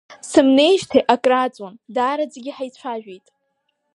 Сымнеижьҭеи акрааҵуан, даараӡагьы ҳаицәажәеит…